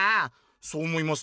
「そう思いますか？」。